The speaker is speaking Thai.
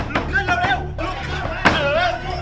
ลุกขึ้นเร็วเร็วลุกขึ้นเร็ว